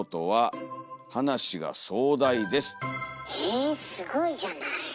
えすごいじゃない。